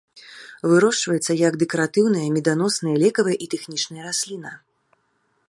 Вырошчваецца як дэкаратыўная, меданосная, лекавая і тэхнічная расліна.